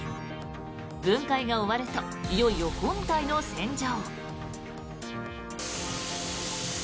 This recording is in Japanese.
分解が終わるといよいよ本体の洗浄。